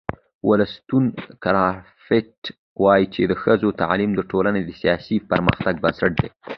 ولستون کرافټ وایي چې د ښځو تعلیم د ټولنې د سیاسي پرمختګ بنسټ دی.